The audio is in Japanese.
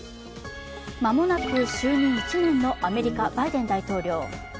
間もなく就任１年のアメリカ・バイデン大統領。